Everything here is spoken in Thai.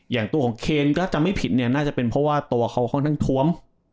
อย่างตัวของเคนก็จำไม่ผิดเนี่ยน่าจะเป็นเพราะว่าตัวเขาค่อนข้างท้วม